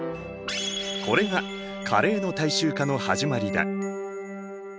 これがカレーの大衆化の始まりだ。